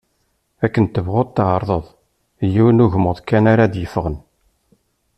Akken tebɣuḍ tεerḍeḍ, d yiwen ugmuḍ kan ara d-yeffɣen.